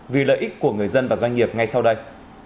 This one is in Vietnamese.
vì lợi ích của người dân và doanh nghiệp ngay sau đây